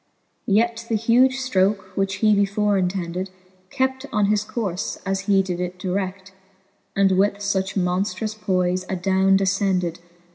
Yet the huge ftroke, which he before intended, Kept on his courfe, as he did it dired, And with fuch monftrous poife adowne defcended.